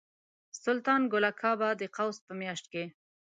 سلطان ګل اکا به د قوس په میاشت کې.